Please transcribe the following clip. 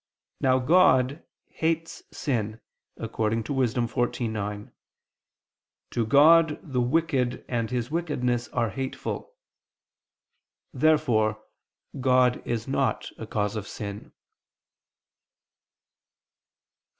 Now God hates sin, according to Wis. 14:9: "To God the wicked and his wickedness are hateful." Therefore God is not a cause of sin.